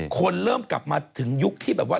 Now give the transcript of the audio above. คนเริ่มกลับมาถึงยุคที่แบบว่า